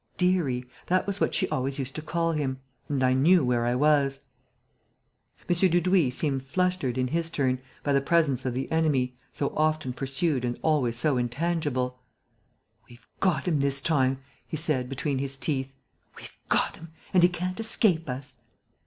'Dearie!' That was what she always used to call him. And I knew where I was." M. Dudouis seemed flustered, in his turn, by the presence of the enemy, so often pursued and always so intangible: "We've got him, this time," he said, between his teeth. "We've got him; and he can't escape us."